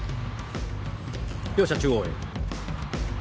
両者中央へ。